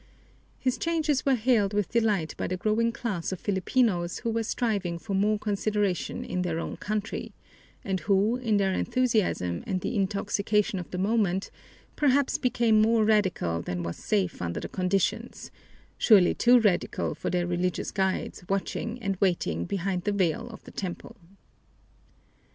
His changes were hailed with delight by the growing class of Filipinos who were striving for more consideration in their own country, and who, in their enthusiasm and the intoxication of the moment, perhaps became more radical than was safe under the conditions surely too radical for their religious guides watching and waiting behind the veil of the temple.